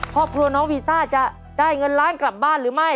ครอบครัวน้องวีซ่าจะได้เงินล้านกลับบ้านหรือไม่